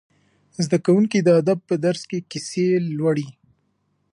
زده کوونکي د ادب په درس کې کیسې لوړي.